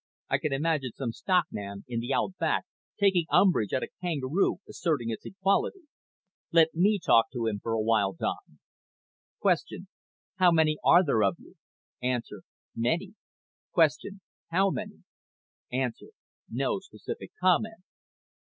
I can imagine some stockman in the outback taking umbrage at a kangaroo asserting its equality. Let me talk to him a while, Don." Q. HOW MANY ARE THERE OF YOU A. MANY Q. HOW MANY A. NO SPECIFIC COMMENT Q.